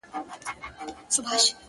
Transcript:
زما د خيال د فلسفې شاعره -